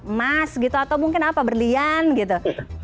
emas gitu atau mungkin apa berlian gitu